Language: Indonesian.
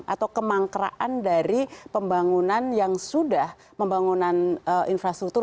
atau kemangkeraan dari pembangunan yang sudah pembangunan infrastruktur